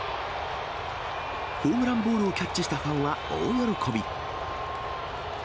ホームランボールをキャッチしたファンは大喜び。